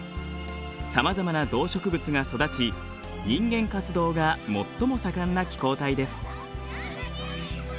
さまざまな動植物が育ち人間活動が最も盛んな気候帯です。